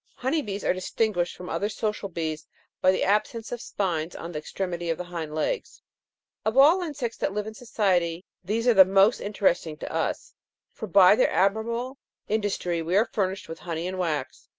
Honey bees are distinguished from other social bees by the absence of spines on the extremity of the hind legs. 9. Of all insects that live in society these are the most interest ing to us ; for by their admirable industry we are furnished with honey and wax.